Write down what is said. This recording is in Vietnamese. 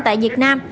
tại việt nam